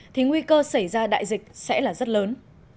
thì nguy cơ xảy ra đại dịch sẽ là rất lớn